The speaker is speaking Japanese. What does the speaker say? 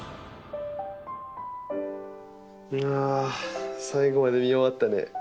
あ最後まで見終わったね。